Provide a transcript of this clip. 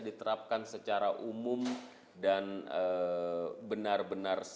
diterapkan secara umum dan benar benar